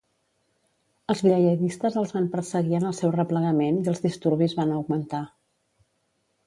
Els lleialistes els van perseguir en el seu replegament i els disturbis van augmentar.